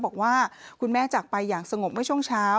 บอกว่าคุณแม่จากไปอย่างสงบเมื่อช่วงเช้า